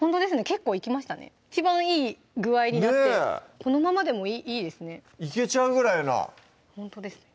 結構いけましたね一番いい具合になってこのままでもいいですねいけちゃうぐらいなほんとですね